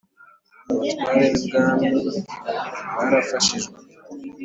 abatware b ibwami barafashijwe